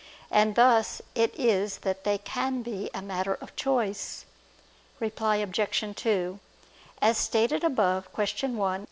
And thus it is that they can be a matter of choice. Reply Obj. 2: As stated above (Q. 1, A.